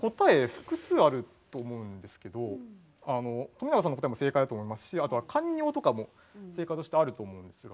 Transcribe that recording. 複数あると思うんですけど富永さんの答えも正解だと思いますしあとは「かんにょう」とかも正解としてあると思うんですが。